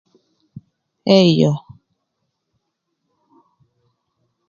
Ee yoo.